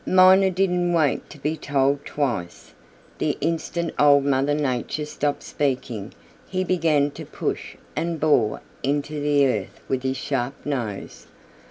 Miner didn't wait to be told twice. The instant Old Mother Nature stopped speaking he began to push and bore into the earth with his sharp nose.